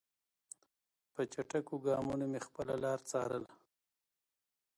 په چټکو ګامونو مې خپله لاره څارله.